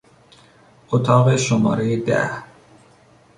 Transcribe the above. اتاق شمارهی ده